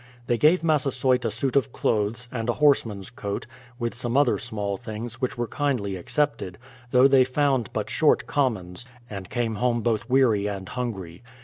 They gave Massasoyt a suit of clothes, and a horseman's coat, with some other small things, which were kindly accepted, though they found but short commons, and came home both weary and hungry.